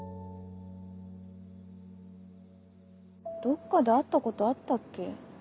どっかで会ったことあったっけ？